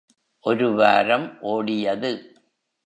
ஒரு வாரம் ஓடியது.